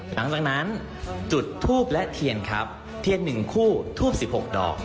หลังจากนั้นจุดทูบและเทียนครับเทียน๑คู่ทูบ๑๖ดอก